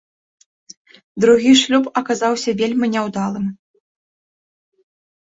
Другі шлюб аказаўся вельмі няўдалым.